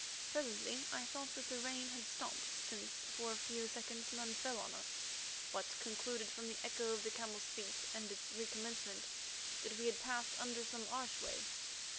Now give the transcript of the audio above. Presently I thought that the rain had stopped, since for a few seconds none fell on us, but concluded from the echo of the camels' feet and its recommencement that we had passed under some archway.